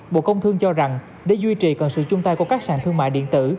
bộ công thương cho rằng để duy trì cần sự chung tay của các sản thương mại điện tử